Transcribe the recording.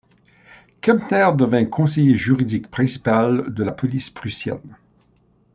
Kempner devint conseiller juridique principal de la police prussienne.